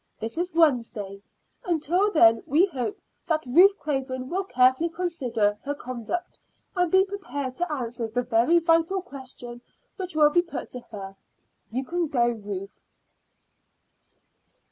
This is Wednesday. Until then we hope that Ruth Craven will carefully consider her conduct, and be prepared to answer the very vital questions which will be put to her. You can go, Ruth."